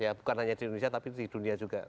ya bukan hanya di indonesia tapi di dunia juga